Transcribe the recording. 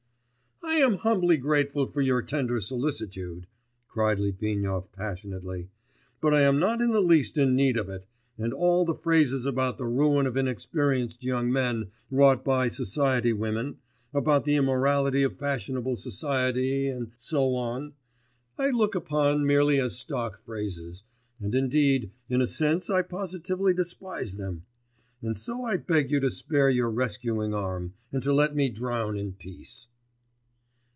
'I am humbly grateful for your tender solicitude,' cried Litvinov passionately, 'but I am not in the least in need of it, and all the phrases about the ruin of inexperienced young men wrought by society women, about the immorality of fashionable society, and so on, I look upon merely as stock phrases, and indeed in a sense I positively despise them; and so I beg you to spare your rescuing arm, and to let me drown in peace.